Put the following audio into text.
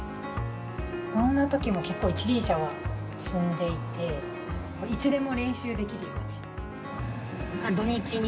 どんなときも結構、一輪車は積んでいて、いつでも練習できるように。